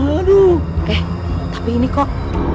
waduh eh tapi ini kok